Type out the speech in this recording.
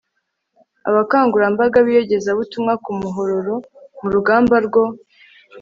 abakangurambaga b'iyogezabutumwa ku muhororo mu rugamba rwo